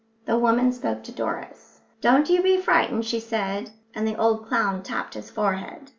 The woman spoke to Doris. "Don't you be frightened," she said, and the old clown tapped his forehead.